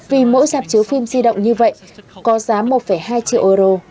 vì mỗi giạp chiếu phim di động như vậy có giá một hai triệu euro